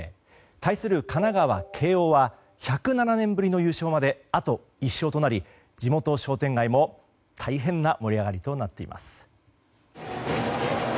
対する神奈川・慶應は１０７年ぶりの優勝まであと１勝となり地元商店街も大変な盛り上がりとなっています。